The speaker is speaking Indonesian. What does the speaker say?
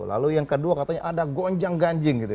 lalu yang kedua katanya ada gonjang ganjing gitu ya